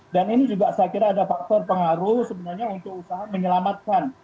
dan ini juga saya kira ada faktor pengaruh sebenarnya untuk usaha menyelamatkan